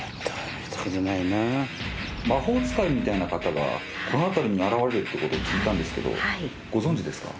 魔法使いみたいな方がこの辺りに現れるって事を聞いたんですけどご存じですか？